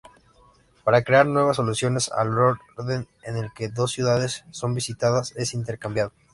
Para crear nuevas soluciones, el orden en que dos ciudades son visitadas es intercambiado.